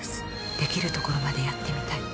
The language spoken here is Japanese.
できるところまでやってみたい。